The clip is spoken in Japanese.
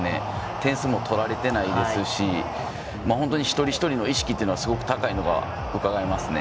点数も取られてないですし本当に一人一人の意識がすごく高いのがうかがえますね。